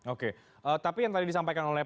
oke tapi yang tadi disampaikan oleh